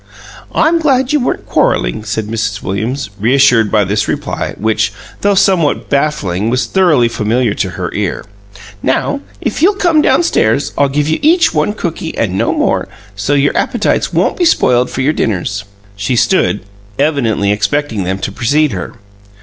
"I'm glad you weren't quarrelling," said Mrs. Williams, reassured by this reply, which, though somewhat baffling, was thoroughly familiar to her ear. "Now, if you'll come downstairs, I'll give you each one cookie and no more, so your appetites won't be spoiled for your dinners." She stood, evidently expecting them to precede her.